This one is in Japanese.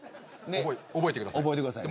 覚えてください。